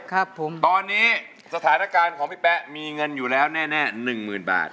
ครับผมตอนนี้สถานการณ์ของพี่แป๊ะมีเงินอยู่แล้วแน่แน่หนึ่งหมื่นบาท